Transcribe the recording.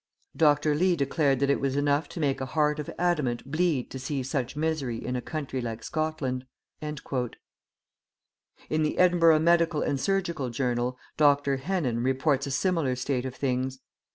Dr. Lee declared that it was enough to make a heart of adamant bleed to see such misery in a country like Scotland." In the Edinburgh Medical and Surgical Journal, Dr. Hennan reports a similar state of things.